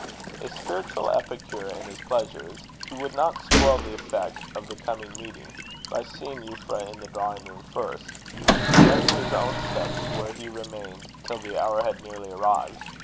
A spiritual epicure in his pleasures, he would not spoil the effect of the coming meeting, by seeing Euphra in the drawingroom first: he went to his own study, where he remained till the hour had nearly arrived.